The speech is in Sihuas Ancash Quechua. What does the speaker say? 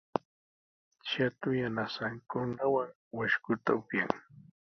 Shatu yanasankunawan washkuta upyan.